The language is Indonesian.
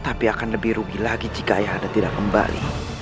tapi akan lebih rugi lagi jika ayahanda tidak kembali